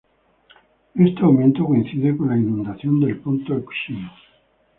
Este aumento coincide con la inundación del Ponto Euxino.